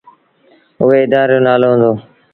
اُئي ادآري رو نآلو هُݩدو۔